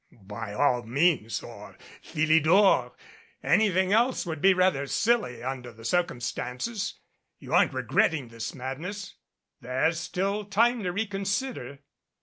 "By all means, or Philidor anything else would be rather silly under the circumstances. You aren't re gretting this madness? There's still time to reconsider."